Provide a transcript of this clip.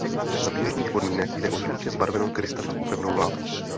Za běžných podmínek jde o žlutě zbarvenou krystalickou pevnou látku.